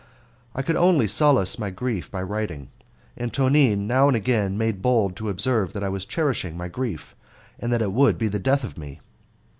I could only solace my grief by writing, and Tonine now and again made bold to observe that I was cherishing my grief, and that it would be the death of me.